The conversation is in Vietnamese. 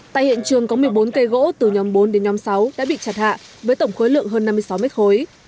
tại hiện trường có một mươi bốn cây gỗ từ nhóm bốn đến nhóm sáu đã bị chặt hạ với tổng khối lượng hơn năm mươi sáu mét khối